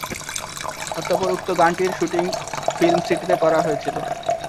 অতঃপর উক্ত গানটির শুটিং ফিল্ম সিটিতে করা হয়েছিল।